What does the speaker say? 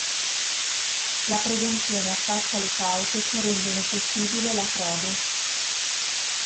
La prevenzione attacca le cause che rendono possibile la frode.